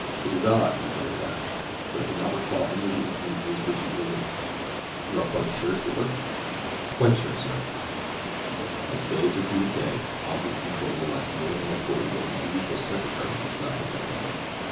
"It is odd," he said at last, "that I do not recall any of the incidents which you relate. You are quite sure, Stickler?" "Quite sure, Sir." As day succeeded day Ogden Secor realized more and more fully what an unusual secretary Miss Lathrop had been.